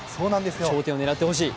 頂点を狙ってほしい。